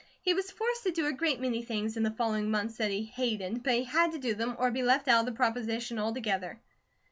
He was forced to do a great many things in the following months that he hated; but he had to do them or be left out of the proposition altogether.